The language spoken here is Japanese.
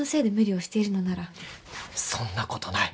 そんなことない！